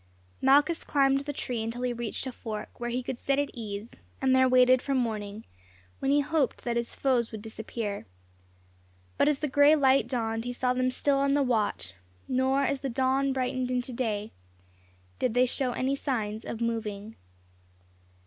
Malchus climbed the tree until he reached a fork, where he could sit at ease, and there waited for morning, when he hoped that his foes would disappear. But as the gray light dawned, he saw them still on the watch; nor, as the dawn brightened into day, did they show any signs of moving.